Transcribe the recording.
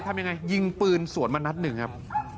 ทำยังไงยิงปืนสวนมานัดหนึ่งครับ